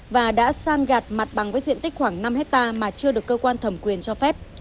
và đã san gạt mặt bằng với diện tích khoảng năm hectare mà chưa được cơ quan thẩm quyền cho phép